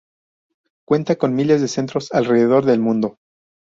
Cuenta con miles de centros alrededor del mundo.